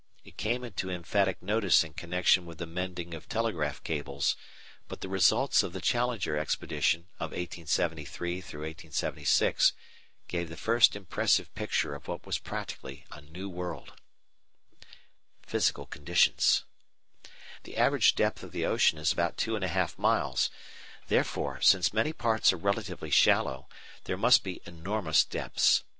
It came into emphatic notice in connection with the mending of telegraph cables, but the results of the Challenger expedition (1873 6) gave the first impressive picture of what was practically a new world. Physical Conditions The average depth of the ocean is about two and a half miles; therefore, since many parts are relatively shallow, there must be enormous depths.